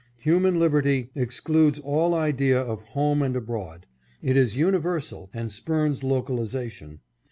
Human liberty excludes all idea of home and abroad. It is universal and spurns localization.